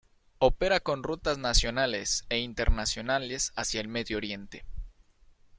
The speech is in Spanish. Opera con rutas nacionales e internacionales hacia el Medio Oriente.